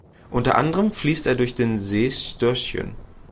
Unter anderem fließt er durch den See Storsjön.